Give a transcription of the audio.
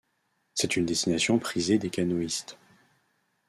C'est une destination prisée des canoéistes.